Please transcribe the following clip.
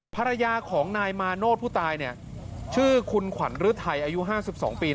ภรรยาของนายมาโนธผู้ตายชื่อคุณขวัญฤทัยอายุ๕๒ปี